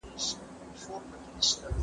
په بازار کي لږ قيمت ورکول کېږي.